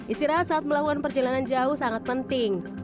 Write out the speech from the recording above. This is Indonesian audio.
istirahat saat melakukan perjalanan jauh sangat penting